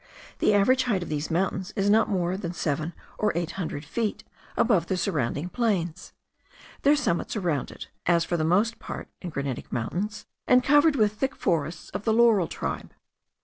The average height of these mountains is not more than seven or eight hundred feet above the surrounding plains. Their summits are rounded, as for the most part in granitic mountains, and covered with thick forests of the laurel tribe.